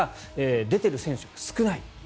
出ている選手が少ない。